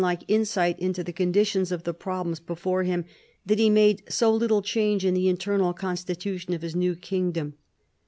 like insight into the conditions of the problem be. fore him, that he made so little change in the inter nal constitution of his new kingdom.